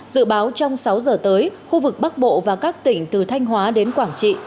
dự báo trong sáu giờ tới khu vực bắc bộ và các tỉnh từ thanh hóa đến quảng trị